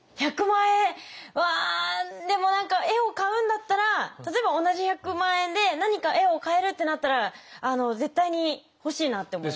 うわでも何か絵を買うんだったら例えば同じ１００万円で何か絵を買えるってなったら絶対に欲しいなって思います。